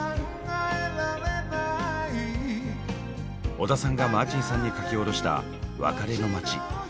小田さんがマーチンさんに書き下ろした「別れの街」。